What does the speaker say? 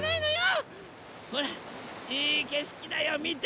ほらいいけしきだよみて！